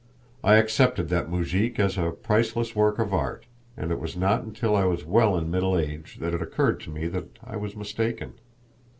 I accepted that moujik as a priceless work of art, and it was not until I was well in middle age that it occurred to me that I was mistaken.